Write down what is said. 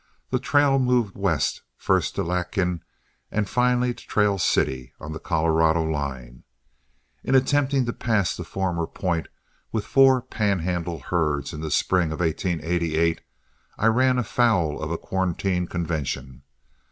The trail moved West, first to Lakin and finally to Trail City, on the Colorado line. In attempting to pass the former point with four Pan Handle herds in the spring of 1888, I ran afoul of a quarantine convention.